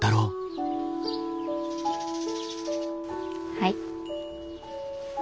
はい。